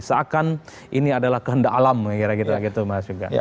seakan ini adalah kehendak alam kira kira gitu mas juga